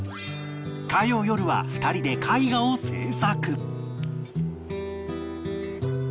火曜よるは２人で絵画を制作